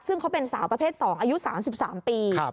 ซึ่งเขาเป็นสาวประเภท๒อายุ๓๓ปี